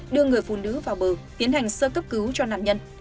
đưa người phụ nữ vào bờ tiến hành sơ cấp cứu cho nạn nhân